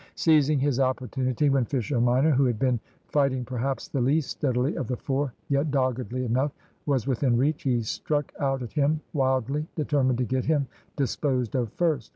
Seizing his opportunity, when Fisher minor, who had been fighting perhaps the least steadily of the four yet doggedly enough was within reach, he struck out at him wildly, determined to get him disposed of first.